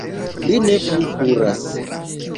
Li ne plu kuras.